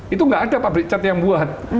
itu nggak ada pabrik cat yang buat